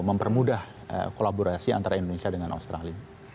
mempermudah kolaborasi antara indonesia dengan australia